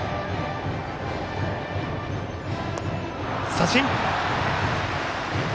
三振。